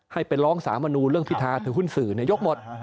ให้ไปร้องสามนูลเรื่องพิทาถือหุ้นสื่อยกหมด